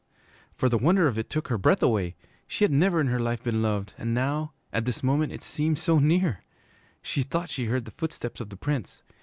For the wonder of it took her breath away. She had never in her life been loved, and now, at this moment, it seemed so near! She thought she heard the footsteps of the Prince.